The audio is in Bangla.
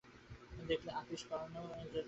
দেখলে আপিস-পালানো সম্পূর্ণ ব্যর্থ হয়েছে।